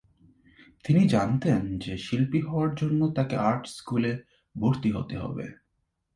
তিনি জানতেন যে শিল্পী হওয়ার জন্য তাকে আর্ট স্কুলে ভর্তি হতে হবে।